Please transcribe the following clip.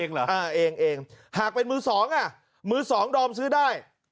เหรอเองหากเป็นมือสองอ่ะมือสองดอมซื้อได้